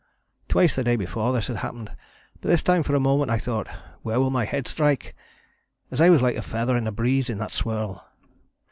Twice the day before this had happened, but this time for a moment I thought, 'Where will my head strike?' as I was like a feather in a breeze in that swirl.